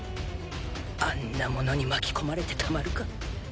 あんなものに巻き込まれてたまるか。